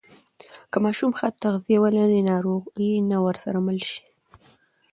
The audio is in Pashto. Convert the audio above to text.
که ماشوم ښه تغذیه ولري، ناروغي نه ورسره مل شي.